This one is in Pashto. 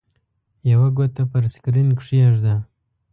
یوه ګوته پر سکرین کېږده.